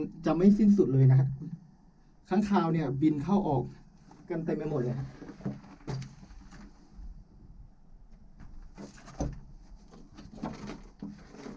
จะไม่สิ้นสุดเลยนะครับครั้งคราวเนี่ยบินเข้าออกกันเต็มไปหมดเลยครับ